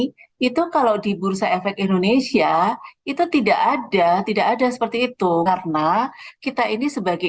hai itu kalau di bursa efek indonesia itu tidak ada tidak ada seperti itu karena kita ini sebagai